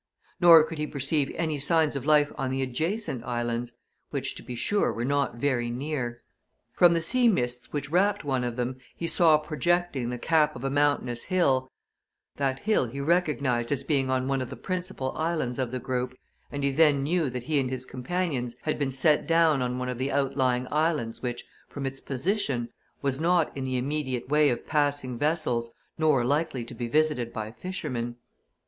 Nor could he perceive any signs of life on the adjacent islands which, to be sure, were not very near. From the sea mists which wrapped one of them he saw projecting the cap of a mountainous hill that hill he recognized as being on one of the principal islands of the group, and he then knew that he and his companions had been set down on one of the outlying islands which, from its position, was not in the immediate way of passing vessels nor likely to be visited by fishermen.